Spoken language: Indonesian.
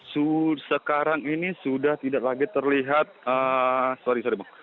suhu sekarang ini sudah tidak lagi terlihat sorry sorry